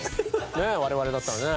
ねえ我々だったらね。